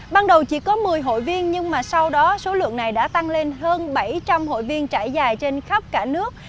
ban đầu chỉ có một mươi hội viên nhưng mà sau đó số lượng này đã tăng lên hơn bảy trăm linh hội viên trải dài trên khắp cả nước